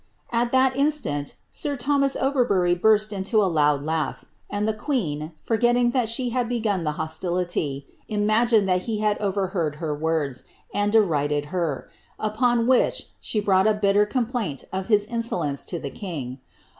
^ At that instant, sir Thomas Overbury burst into a loud laugh ; and the queen^ forgetting that she had begun the hostility, imagined that he had over heard her words, and derided her, upon which she brought a bitter com plaint of his insolence to the king.